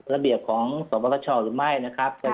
ระเบียบของสมพากษาชอค่ะหรือไม่นะครับ